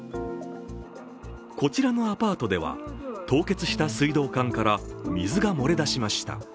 こちらのアパートでは、凍結した水道管から水が漏れ出しました。